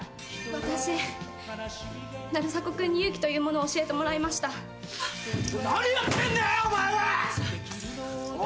私成迫君に勇気というものを教えてもらいました何やってんだよお前は！